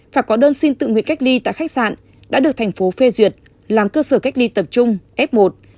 phải có đơn xin tự nguyện cách ly tại khách sạn đã được thành phố phê duyệt làm cơ sở cách ly tập trung f một